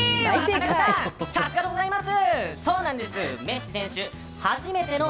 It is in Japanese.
さすがでございます！